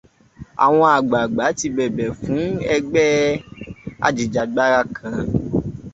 Àwọn àgbàgbà ti bẹ̀bẹ̀ fún ẹgbẹ́ ajìjàgbara kan.